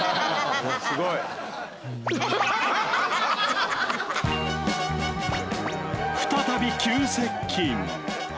すごい再び急接近